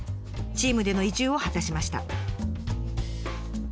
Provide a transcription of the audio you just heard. チームでの移住を果たしました。